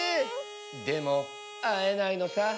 でもあえないのさ。